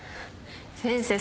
先生